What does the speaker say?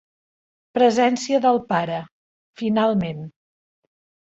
Presència del pare, finalment.